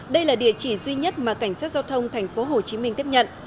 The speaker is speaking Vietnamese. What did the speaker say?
đây là địa chỉ duy nhất mà cảnh sát giao thông tp hcm tiếp nhận